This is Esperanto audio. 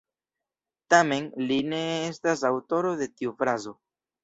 Tamen li ne estas aŭtoro de tiu frazo.